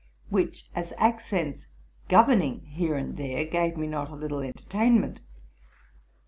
which, as accents governing here and there, gave me not a little entertainment.